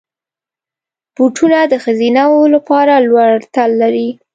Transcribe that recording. بوټونه د ښځینه وو لپاره لوړ تل لري.